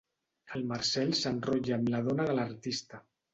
El Marcel s'enrotlla amb la dona de l'artista.